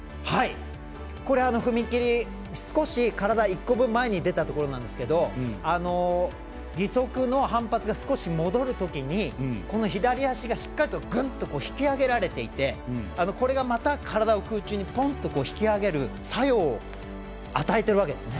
これは踏み切り、少し体１個分前に出たところなんですけど義足の反発が少し戻るときにこの左足がしっかりとグンと引き上げられていてこれがまた体を空中にポンと引き上げる作用を与えているわけですね。